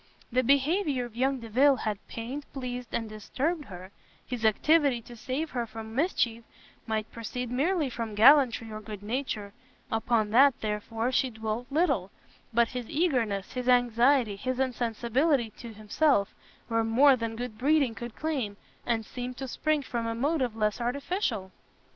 The behaviour of young Delvile had pained, pleased, and disturbed her; his activity to save her from mischief might proceed merely from gallantry or good nature; upon that, therefore, she dwelt little: but his eagerness, his anxiety, his insensibility to himself, were more than good breeding could claim, and seemed to spring from a motive less artificial.